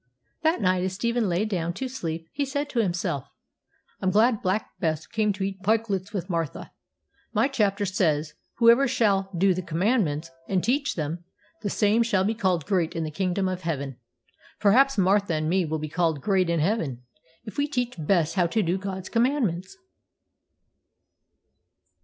That night, as Stephen lay down to sleep, he said to himself, 'I'm glad Black Bess came to eat pikelets with Martha. My chapter says, "Whosoever shall do the commandments, and teach them, the same shall be called great in the kingdom of heaven." Perhaps Martha and me will be called great in heaven, if we teach Bess how to do God's commandments.'